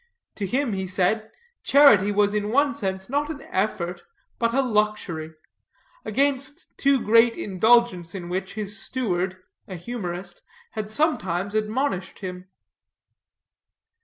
To him, he said, charity was in one sense not an effort, but a luxury; against too great indulgence in which his steward, a humorist, had sometimes admonished him.